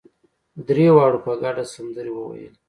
درېواړو په ګډه سندرې وويلې.